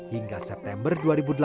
hingga september dua ribu delapan belas